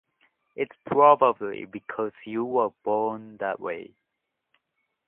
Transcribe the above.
It's probably because you were born that way.